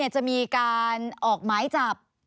จะมีการออกหมายจับ